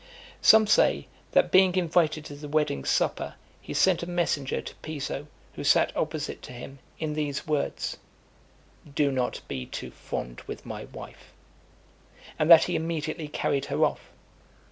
(269) Some say, that being invited to the wedding supper, he sent a messenger to Piso, who sat opposite to him, in these words: "Do not be too fond with my wife," and that he immediately carried her off.